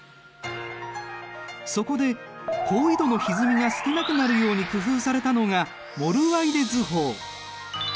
そこで高緯度のひずみが少なくなるように工夫されたのがモルワイデ図法。